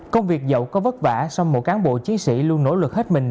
công việc dẫu có vất vả song một cán bộ chiến sĩ luôn nỗ lực hết mình